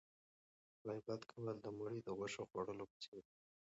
غیبت کول د مړي د غوښې خوړلو په څېر دی.